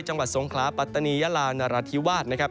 จังหวัดสงขลาปัตตานียาลานราธิวาสนะครับ